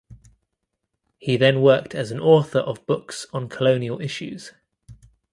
He then worked as an author of books on colonial issues.